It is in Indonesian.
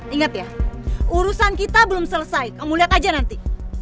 ingat ya urusan kita belum selesai kamu lihat aja nanti